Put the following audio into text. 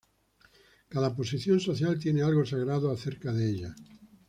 Cada posición social tiene algo sagrado acerca de ella.